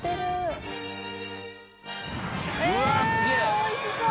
おいしそう。